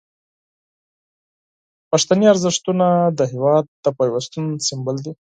پښتني ارزښتونه د هیواد د پیوستون سمبول دي.